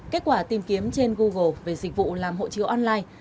kết quả tìm kiếm trên google về dịch vụ làm hộ chiếu online